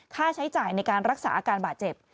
ค่าใช้จ่ายในการรักษาอาการบาดเจ็บ